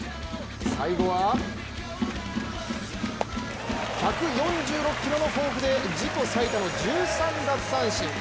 最後は１４６キロのフォークで自己最多の１３奪三振。